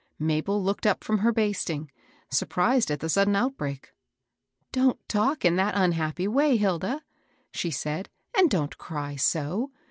Mabel looked up from her basting, surprised at the sudden outbreak. Don't talk in that unhappy way, Hilda," she said, " and don't cry so.